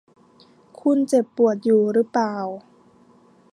คุณเจ็บปวดอยู่รึเปล่า ?